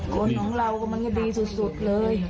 คนของเราก็มันก็ดีสุดเลย